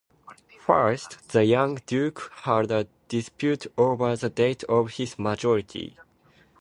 First, the young duke had a dispute over the date of his majority.